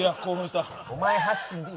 お前発信で！